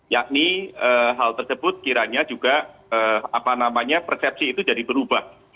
yakni hal tersebut kiranya juga persepsi itu jadi berubah